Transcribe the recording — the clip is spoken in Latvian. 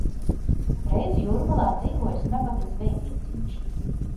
Reiz jūrmalā dzīvojis nabaga zvejnieciņš.